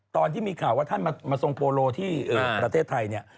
ตอนที่มีข่าวว่าท่านมาทรงโปโลที่ประเทศไทยเนี่ย